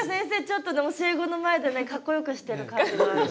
ちょっとね教え子の前でねかっこよくしてる感じはある。